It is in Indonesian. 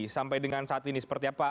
sampai dengan saat ini seperti apa